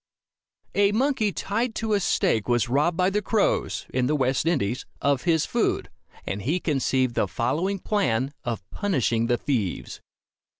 A monkey tied to a stake was robbed by the crows, in the West Indies, of his food, and he conceived the following plan of punishing the thieves.